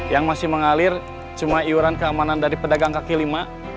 yang masih mengalir cuma iuran keamanan dari pedagang kaki lima